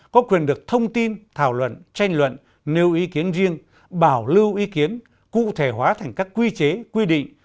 có quyền được thông tin thảo luận tranh luận nêu ý kiến riêng bảo lưu ý kiến cụ thể hóa thành các quy chế quy định